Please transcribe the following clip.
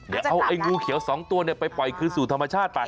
เดี๋ยวเอาไอ้งูเขียว๒ตัวไปปล่อยคืนสู่ธรรมชาติไป